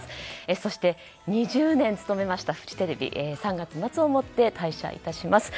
そして２０年勤めましたフジテレビ３月末をもって退社いたします。